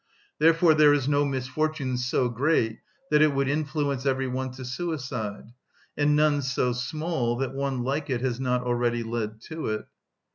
Therefore there is no misfortune so great that it would influence every one to suicide, and none so small that one like it has not already led to it.